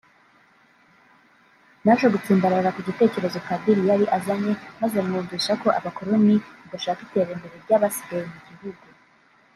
naje gutsimbarara ku gitekerezo Padiri yari azanye maze mwumvisha ko abakoloni badashaka iterambere ry’abasigaye mu gihugu[